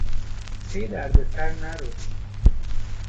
پی دردسر نرو!